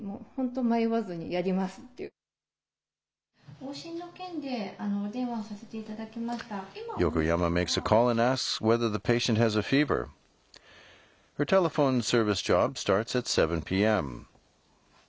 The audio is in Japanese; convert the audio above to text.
往診の件で、お電話させていただきました。